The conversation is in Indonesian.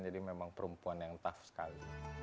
jadi memang perempuan yang tough sekali